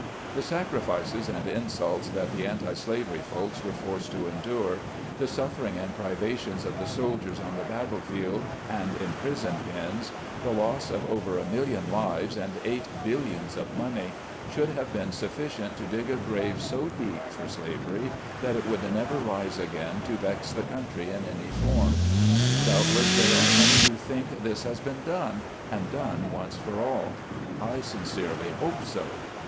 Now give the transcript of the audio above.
The sacrifices and insults that the anti slavery folks were forced to endure, the suffering and privations of the soldiers on the battle field, and in prison pens ; the loss of over a million lives, and eight billions of money, should have been sufficient to dig a grave so deep for slavery, that it would never rise again to vex the country in any form. Doubtless there are many who think this has been done, and done once for all. I sincerely hope so.